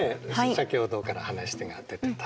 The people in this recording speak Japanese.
先ほどから話が出てた